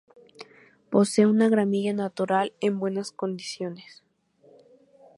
Posee una gramilla natural en buenas condiciones.